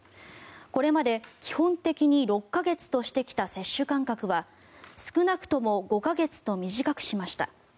これまで基本的に６か月としてきた接種間隔は少なくとも５か月と短くしました。